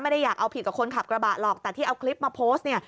ไม่ได้อยากเอาผิดกับคนขับกระบะหรอกแต่ที่เอาคลิปมาโพสต์